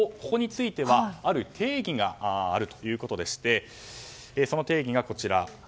ここについてはある定義があるということでしてその定義がこちら。